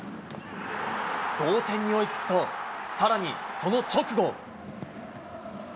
同点に追いつくと、さらにその直後。